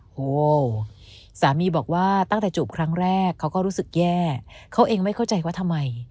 โหสามีบอกว่าตั้งแต่จูบครั้งแรกเขาก็รู้สึกแย่เขาเองไม่เข้าใจว่าทำไม